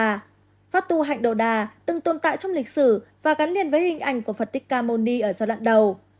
pháp tu hạnh đồ đà từng tồn tại trong lịch sử và gắn liền với hình ảnh của phật tích cà môn ni ở giai đoạn đầu